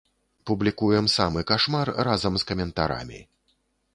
Публікуем самы кашмар разам з каментарамі.